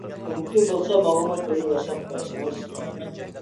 مۇمكىن بولسا ماڭىمۇ بىرنى ياساپ بەرسىڭىز.